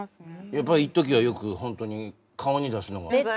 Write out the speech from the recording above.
やっぱいっときはよく本当に顔に出すのが。